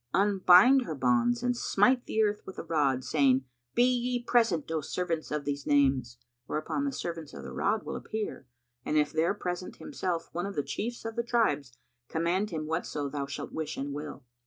Unbind her bonds and smite the earth with the rod saying, 'Be ye present, O servants of these names!' whereupon the servants of the rod will appear; and if there present himself one of the Chiefs of the Tribes, command him whatso thou shalt wish and will."